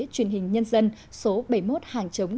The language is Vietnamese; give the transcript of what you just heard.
truyền hình nhân dân số bảy mươi một hàng chống